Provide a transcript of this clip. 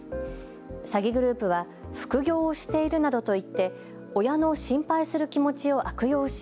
詐欺グループは副業をしているなどと言って親の心配する気持ちを悪用し